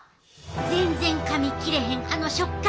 全然かみ切れへんあの食感！